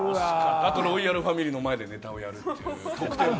あとロイヤルファミリーの前でネタをやるという特典も。